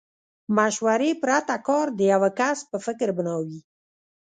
مشورې پرته کار د يوه کس په فکر بنا وي.